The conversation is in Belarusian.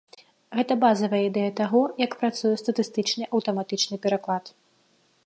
Гэта базавая ідэя таго, як працуе статыстычны аўтаматычны пераклад.